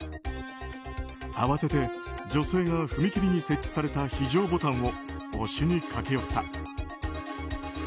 慌てて女性が踏切に設置された非常ボタンを押しに駆け寄った。